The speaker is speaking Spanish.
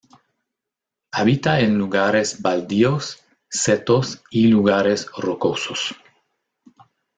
Habita en lugares baldíos, setos y lugares rocosos.